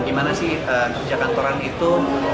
gimana sih kerja kantoran itu